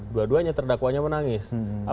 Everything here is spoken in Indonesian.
dua duanya terdakwanya menangis